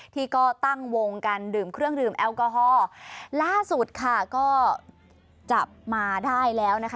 ที่ก็ตั้งวงกันดื่มเครื่องดื่มแอลกอฮอล์ล่าสุดค่ะก็จับมาได้แล้วนะคะ